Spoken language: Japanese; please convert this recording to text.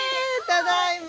ただいま。